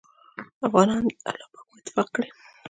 افغانان دې الله پاک په اتفاق کړي